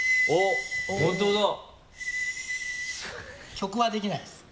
曲はできないです